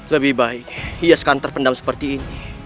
lebih baik ia sekarang terpendam seperti ini